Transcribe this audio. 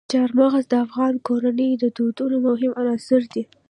چار مغز د افغان کورنیو د دودونو مهم عنصر دی.